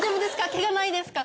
ケガないですか？